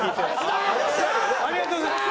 ありがとうございます！